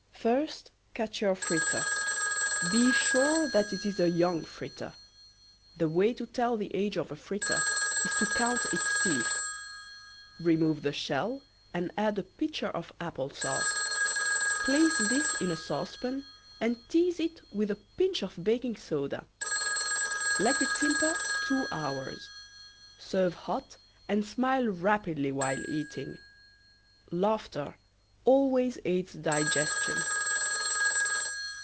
First catch your fritter. Be sure that it is a young fritter. The way to tell the age of a fritter is to count its teeth. Remove the shell and add a pitcher of apple sauce. Place this in a saucepan and tease it with a pinch of baking soda. Let it simper two hours. Serve hot and smile rapidly while eating. Laughter always aids digestion.